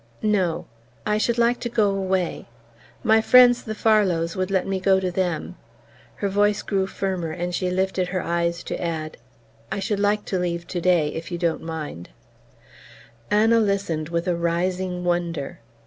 "No I should like to go away ... my friends the Farlows would let me go to them..." Her voice grew firmer and she lifted her eyes to add: "I should like to leave today, if you don't mind." Anna listened with a rising wonder.